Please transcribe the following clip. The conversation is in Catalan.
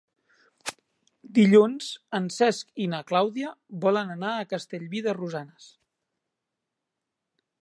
Dilluns en Cesc i na Clàudia volen anar a Castellví de Rosanes.